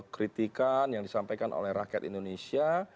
kritikan yang disampaikan oleh rakyat indonesia